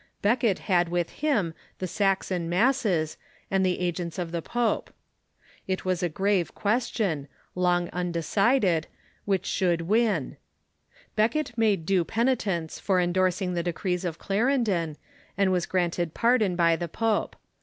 Becket had with him the Saxon masses and the agents of the pope. It was a grave question, long undecided, which should 158 THE MEDIEVAL CHURCH win. Becket made due penitence for endorsing the decrees of Clarendon, and was granted pardon by the pope.